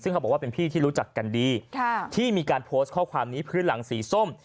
ซึ่งเขาบอกว่าเป็นพี่ที่รู้จักกันดีที่มีการโพสต์ข้อความนี้พื้นหลังสีส้ม